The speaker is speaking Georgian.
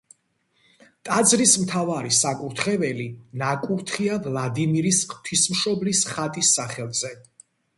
ტაძრის მთავარი საკურთხეველი ნაკურთხია ვლადიმირის ღვთისმშობლის ხატის სახელზე.